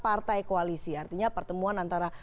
partai koalisi artinya pertemuan antara